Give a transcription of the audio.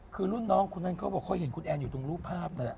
คือรุ่นน้องคนนั้นเขาบอกเขาเห็นคุณแอนอยู่ตรงรูปภาพนั่นแหละ